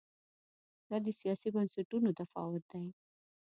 دا د سیاسي بنسټونو تفاوت دی.